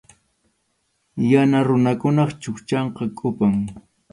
Yana runakunap chukchanqa kʼupam.